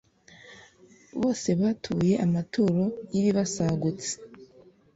bose batuye amaturo y’ibibasagutse